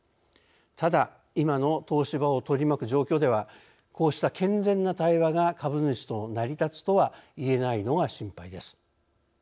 ただ、今の東芝を取り巻く状況ではこうした健全な対話が株主と成り立つとはいえないのが心配です。